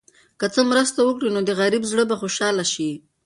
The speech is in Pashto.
که ته مرسته وکړې، نو د یو غریب زړه به خوشحاله شي.